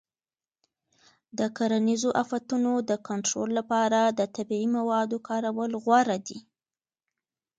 د کرنیزو آفتونو د کنټرول لپاره د طبیعي موادو کارول غوره دي.